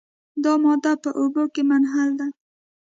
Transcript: دا ماده په اوبو کې منحل ده.